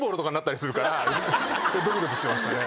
ドキドキしてましたね。